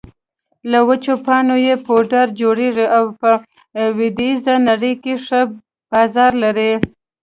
له وچو پاڼو يې پوډر جوړېږي او په لویدېزه نړۍ کې ښه بازار لري